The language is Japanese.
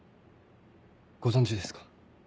ご存じですか？